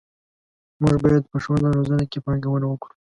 موږ باید په ښوونه او روزنه کې پانګونه وکړو.